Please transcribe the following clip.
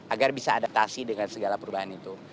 agar bisa adaptasi dengan segala perubahan itu